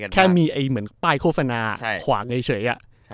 แค่มีเหมือนป้ายโฆษณาขวางเฉย